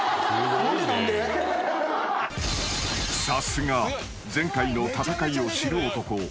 ［さすが前回の戦いを知る男］